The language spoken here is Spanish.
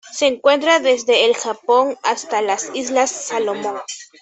Se encuentra desde el Japón hasta las Islas Salomón.